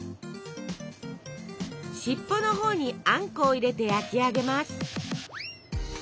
尻尾のほうにあんこを入れて焼き上げます。